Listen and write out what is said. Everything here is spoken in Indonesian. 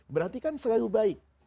berarti kan selalu baik